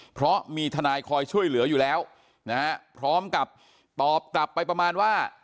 เพราะมีทนายคอยช่วยเหลืออยู่แล้วนะฮะพร้อมกับตอบกลับไปประมาณว่า